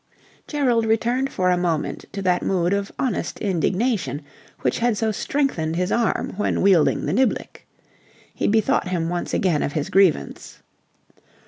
Gerald returned for a moment to that mood of honest indignation, which had so strengthened his arm when wielding the niblick. He bethought him once again of his grievance.